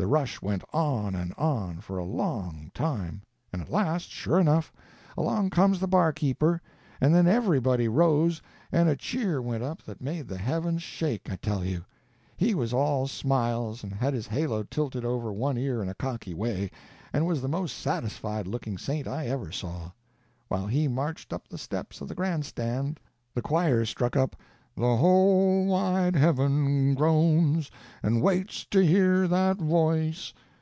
The rush went on and on, for a long time, and at last, sure enough, along comes the barkeeper, and then everybody rose, and a cheer went up that made the heavens shake, I tell you! He was all smiles, and had his halo tilted over one ear in a cocky way, and was the most satisfied looking saint I ever saw. While he marched up the steps of the Grand Stand, the choir struck up,— "The whole wide heaven groans, And waits to hear that voice."